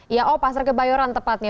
ya oh pasar kebayoran tepatnya